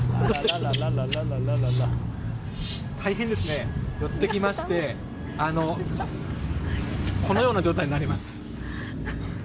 大変、寄ってきましてこのような状態になります。